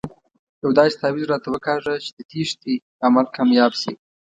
یو داسې تاویز راته وکاږه چې د تېښتې عمل کامیاب شي.